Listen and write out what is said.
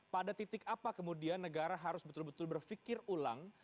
pada titik apa kemudian negara harus betul betul berpikir ulang